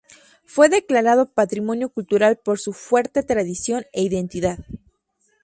Fue declarado Patrimonio Cultural por su fuerte tradición e identidad.